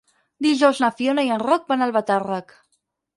Dijous na Fiona i en Roc van a Albatàrrec.